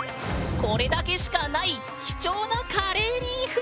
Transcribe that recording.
これだけしかない貴重なカレーリーフ。